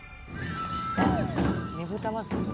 ねぶた祭